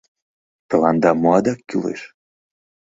— Тыланда мо адак кӱлеш?